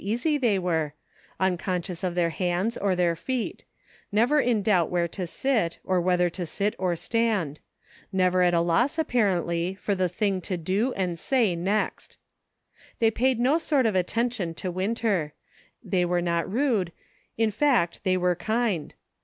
easy they were ; unconscious of their hands or their feet ; never in doubt where to sit, or whether to sit or stand ; never at a loss, apparently, for the thing to do and say next. They paid no sort of attention to Winter; they were not rude; in fact, they were kind.